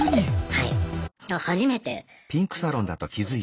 はい。